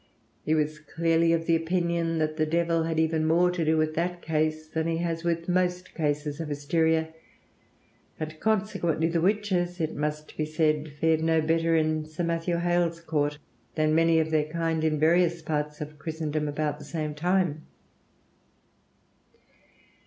He was clearly of the opinion that the Devil had even more to do with that case than he has with most cases of hysteria; and consequently the witches, it must be said, fared no better in Sir Matthew Hale's court than many of their kind in various parts of Christendom about the same time.